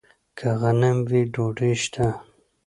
که غنم وي، ډوډۍ شته.